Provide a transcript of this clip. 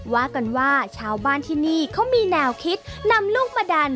ว่ากันว่าชาวบ้านที่นี่เขามีแนวคิดนำลูกมาดัน